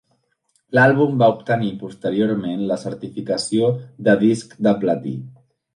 L'àlbum va obtenir posteriorment la certificació de disc de platí.